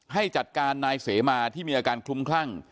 ให้จัดการนายเสมาที่มีอาการคลุมคลั่ง